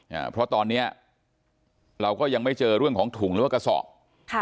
อ่าเพราะตอนเนี้ยเราก็ยังไม่เจอเรื่องของถุงหรือว่ากระสอบค่ะ